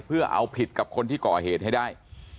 เพื่อเอาผิดกับคนที่ก่อเหตุให้ได้